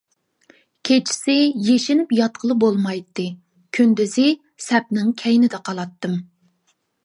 كېچىسى يېشىنىپ ياتقىلى بولمايتتى، كۈندۈزى سەپنىڭ كەينىدە قالاتتىم.